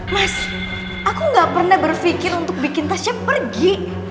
mas aku gak pernah berpikir untuk bikin tasnya pergi